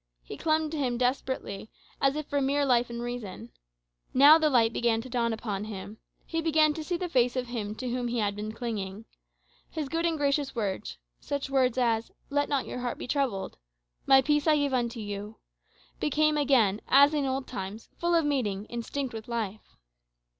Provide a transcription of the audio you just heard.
He clung to him desperately, as if for mere life and reason. Now the light began to dawn upon him. He began to see the face of Him to whom he had been clinging. His good and gracious words such words as, "Let not your heart be troubled," "My peace I give unto you" became again, as in old times, full of meaning, instinct with life.